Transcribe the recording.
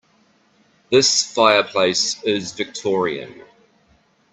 This fireplace is Victorian.